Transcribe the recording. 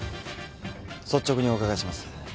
率直にお伺いします。